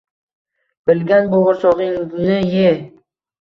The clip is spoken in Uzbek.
Bilgan bo'g'irsog'ingni ye!